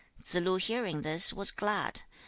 Tsze lu hearing this was glad, 其由與.